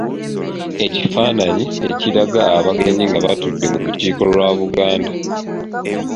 Ekifaananyi ekiraga abagenyi nga batudde mu Lukiiko lwa Buganda.